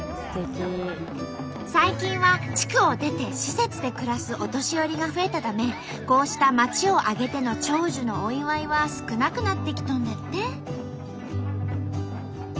最近は地区を出て施設で暮らすお年寄りが増えたためこうした町を挙げての長寿のお祝いは少なくなってきとんだって。